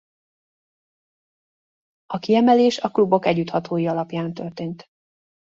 A kiemelés a klubok együtthatói alapján történt.